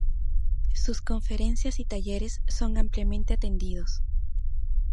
Sus conferencias y talleres son ampliamente atendidos.